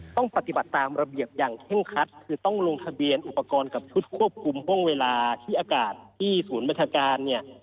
ต้องปฏิบัติตามระเบียบอย่างเคร่งคัดคือต้องลงทะเบียนอุปกรณ์กับชุดควบคุมห่วงเวลาที่อากาศที่ศูนย์บัญชาการเนี่ย